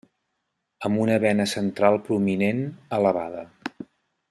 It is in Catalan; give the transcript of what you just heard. Amb una vena central prominent elevada.